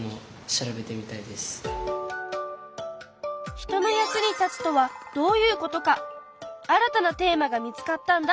人の役に立つとはどういうことか新たなテーマが見つかったんだ。